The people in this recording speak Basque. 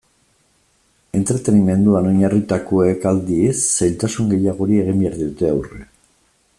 Entretenimenduan oinarritutakoek, aldiz, zailtasun gehiagori egin behar diote aurre.